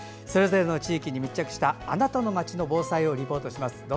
それぞれの地域に密着したあなたの町の防災をリポートします。